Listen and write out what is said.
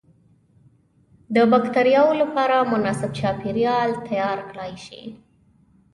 د بکترياوو لپاره مناسب چاپیریال تیار کړای شي.